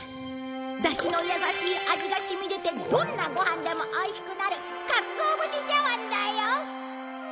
ダシの優しい味が染み出てどんなご飯でもおいしくなるかつお節茶わんだよ！